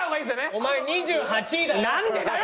お前２８位だよ。